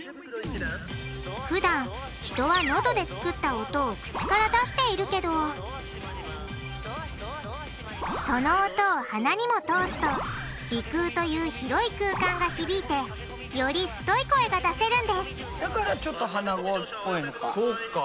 ふだん人はノドで作った音を口から出しているけどその音を鼻にも通すと鼻腔という広い空間が響いてより太い声が出せるんですだからちょっと鼻声っぽいのか。